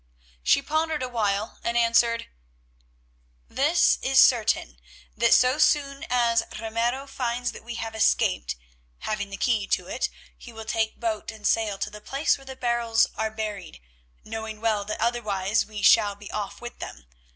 She pondered awhile and answered: "This is certain, that so soon as Ramiro finds that we have escaped, having the key to it, he will take boat and sail to the place where the barrels are buried, knowing well that otherwise we shall be off with them.